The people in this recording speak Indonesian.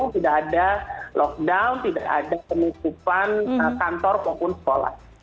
tidak ada lockdown tidak ada penutupan kantor maupun sekolah